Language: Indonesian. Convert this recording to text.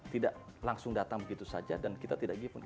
tidak langsung datang begitu saja dan kita tidak gipun